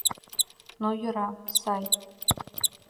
Ну, йӧра, сай.